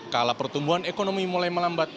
kala pertumbuhan ekonomi mulai melambat